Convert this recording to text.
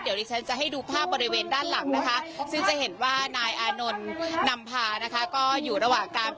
เดี๋ยวดิฉันจะให้ดูภาพบริเวณด้านหลังนะฮะ